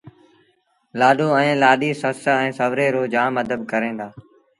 لآڏو ائيٚݩ لآڏيٚ سس ائيٚݩ سُوري رو جآم ادب ڪريݩ دآ